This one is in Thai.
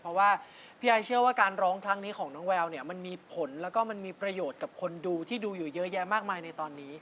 เพราะว่าพี่ไอเชื่อว่าการร้องครั้งนี้ของน้องแววเนี่ยมันมีผลแล้วก็มันมีประโยชน์กับคนดูที่ดูอยู่เยอะแยะมากมายในตอนนี้